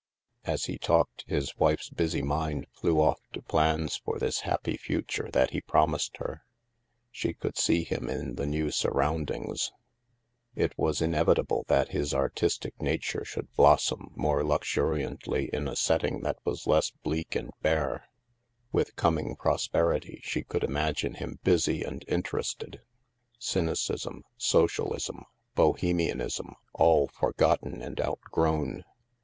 As he talked, his wife's busy mind flew off to plans for this happy future that he promised her. She could see him in the new surroundings. It was 324 THE MASK inevitable that his artistic nature should blossom more luxuriantly in a setting that was less bleak and bare ; with coming prosperity she could imagine him busy and interested — cynicism, sociaUsm, Bohemianism, all forgotten and outgrown.